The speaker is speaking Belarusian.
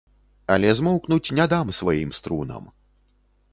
Але змоўкнуць не дам сваім струнам.